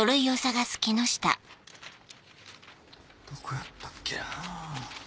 どこやったっけな？